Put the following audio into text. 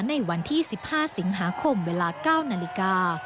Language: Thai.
ในวันที่๑๕สิงหาคมเวลา๙นาฬิกา